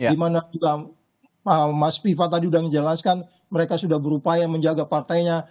dimana juga mas viva tadi sudah menjelaskan mereka sudah berupaya menjaga partainya